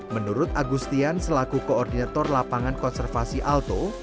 menurut agustian selaku koordinator lapangan konservasi alto